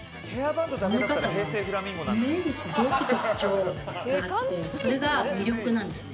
この方は目にすごく特徴があってそれが魅力なんですね。